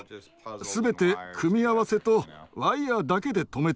全て組み合わせとワイヤーだけで留めているんだ。